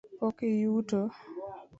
Pok iyuto?